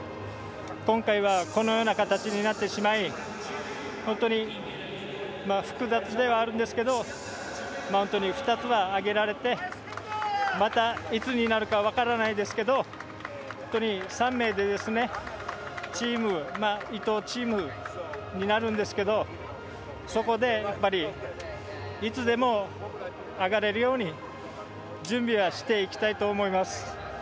今回はこのような形になってしまい本当に複雑ではあるんですけど２つはあげられて次はいつになるか分からないですけど本当に３名で伊藤チームになるんですけどそこで、いつでもあがれるように準備はしていきたいと思います。